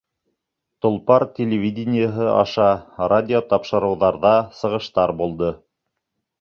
«Толпар» телевидениеһы аша, радиотапшырыуҙарҙа сығыштар булды.